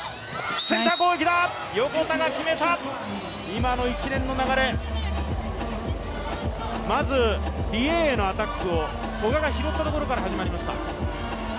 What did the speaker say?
今の一連の流れ、まずリ・エイエイのアタックを古賀が拾ったところから始まりました。